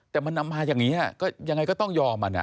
แต่มันนำมาอย่างนี้ก็ยังไงก็ต้องยอมมัน